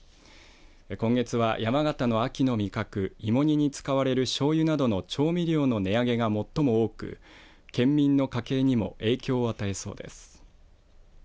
今月は、山形の秋の味覚芋煮に使われる、しょうゆなどの調味料の値上げが最も多く県民の家計にも影響を与えそうです。